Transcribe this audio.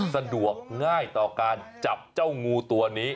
สะดวกง่ายต่อการจับเจ้างูตัวนี้